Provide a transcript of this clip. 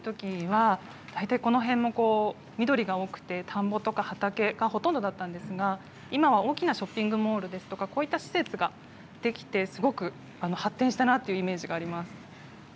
私が小さいときには大体この辺も緑が多くて田んぼや緑だったんですが今、大きなショッピングモールやこういった施設ができていてすごく発展したなというイメージがあります。